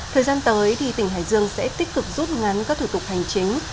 thời gian tới tỉnh hải dương sẽ tích cực rút ngắn các thủ tục hành chính